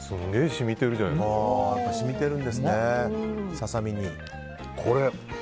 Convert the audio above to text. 染みてるんですね、ささみに。